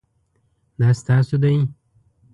دا ستاسو دی؟